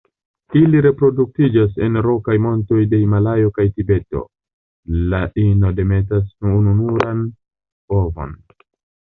Ili reproduktiĝas en rokaj montoj de Himalajo kaj Tibeto; la ino demetas ununuran ovon.